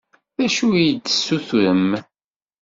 D acu i yi-d-tessutrem?